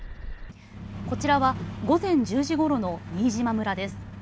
こちらは午前１０時ごろの新島村です。